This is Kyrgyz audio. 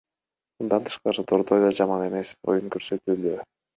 Мындан тышкары, Дордой да жаман эмес оюн көрсөтүүдө.